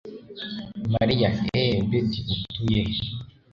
Mariya Eeeh Betty utuye he